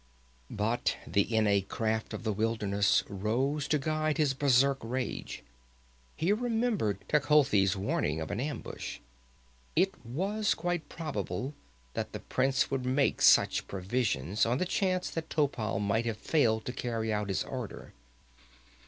But the innate craft of the wilderness rose to guide his berserk rage. He remembered Techotl's warning of an ambush. It was quite probable that the prince would make such provisions, on the chance that Topal might have failed to carry out his order.